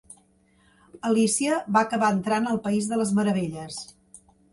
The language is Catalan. Alícia va acabar entrant al País de les Meravelles.